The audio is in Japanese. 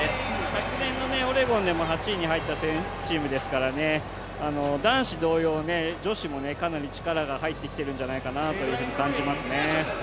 昨年のオレゴンでも８位に入ったチームですから男子同様、女子もかなり力が入ってきているんじゃないかなと感じますね。